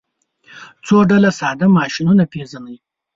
څو ډوله ساده ماشینونه پیژنئ.